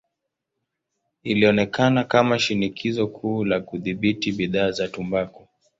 Ilionekana kama shinikizo kuu la kudhibiti bidhaa za tumbaku.